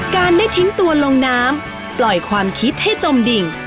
การได้ทิ้งตัวลงน้ำปล่อยความคิดให้จมดิ่ง